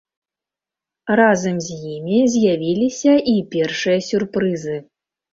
Разам з імі з'явіліся і першыя сюрпрызы.